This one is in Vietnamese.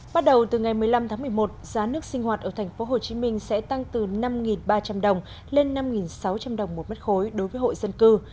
bắt đầu từ ngày một mươi năm tháng một mươi một giá nước sinh hoạt ở tp hcm sẽ tăng từ năm ba trăm linh đồng lên năm sáu trăm linh đồng một mét khối đối với hội dân cư